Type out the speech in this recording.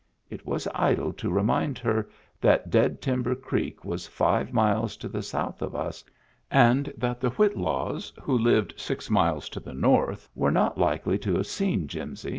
It was idle to remind her that Dead Tim ber Creek was five miles to the south of us and that the Whitlows, who lived six miles to the north, were not likely to have seen Jimsy.